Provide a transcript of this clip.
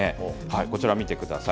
こちら見てください。